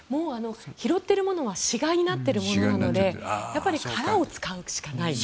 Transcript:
拾っているものは死骸になっているものなのでやっぱり殻を使うしかないと。